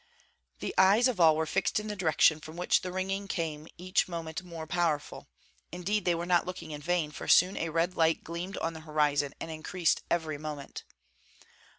The eyes of all were fixed in the direction from which the ringing came each moment more powerful; indeed they were not looking in vain, for soon a red light gleamed on the horizon and increased every moment.